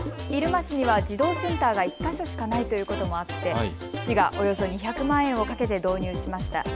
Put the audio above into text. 入間市には児童センターが１か所しかないということもあって市がおよそ２００万円をかけて導入しました。